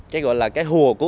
cái gọi là cái hùa của họ